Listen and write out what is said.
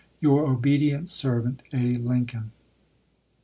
Your obedient servant, A. Lincoln.